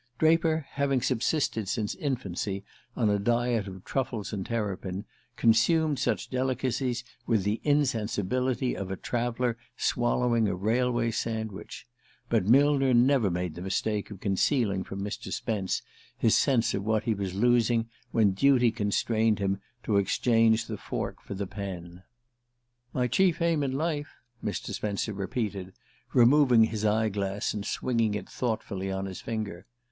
Draper, having subsisted since infancy on a diet of truffles and terrapin, consumed such delicacies with the insensibility of a traveller swallowing a railway sandwich; but Millner never made the mistake of concealing from Mr. Spence his sense of what he was losing when duty constrained him to exchange the fork for the pen. "My chief aim in life!" Mr. Spence repeated, removing his eye glass and swinging it thoughtfully on his finger.